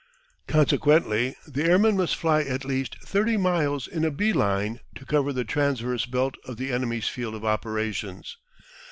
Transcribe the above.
Consequently the airman must fly at least 30 miles in a bee line to cover the transverse belt of the enemy's field of operations.